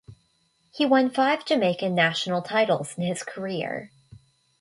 He won five Jamaican national titles in his career.